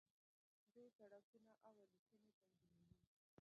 دوی سړکونه او الوتنې تنظیموي.